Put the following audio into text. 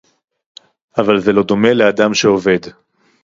אבל זה לא דומה לאדם שעובד